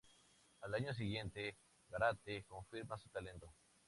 Al año siguiente, Gárate, confirma su talento.